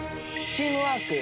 チームワーク。